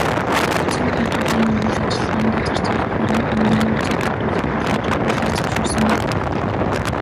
Сүм хийдүүдийн үйл ажиллагаандаа зарцуулах хөрөнгө мөнгөний нөөцийг бүрдүүлэх боломжийг хуулиар зөвшөөрсөн байдаг.